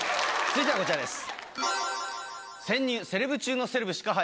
続いてはこちらです。